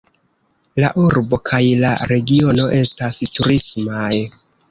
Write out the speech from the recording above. La urbo kaj la regiono estas turismaj.